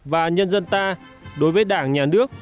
và nhân dân ta đối với đảng nhà nước